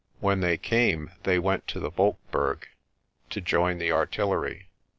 When they came they went to the Wolkberg to join the artillery.